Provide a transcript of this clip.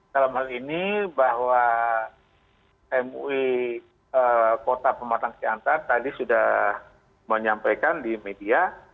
dalam hal ini bahwa mui kota pematang siantar tadi sudah menyampaikan di media